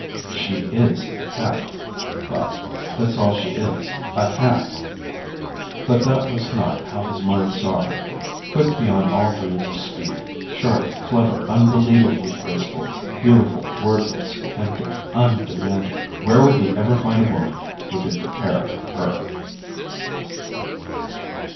"She is a cat," he thought. "That's all she is a cat!" But that was not how his mind saw her quick beyond all dreams of speed, sharp, clever, unbelievably graceful, beautiful, wordless and undemanding. Where would he ever find a woman who could compare with her?